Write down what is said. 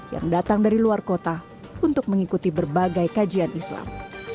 yang datang dari luar kota untuk mengikuti berbagai kajian islam